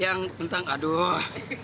yang tentang aduh